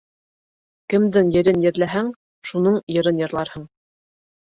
Кемдең ерен ерләһәң, шуның йырын йырларһың.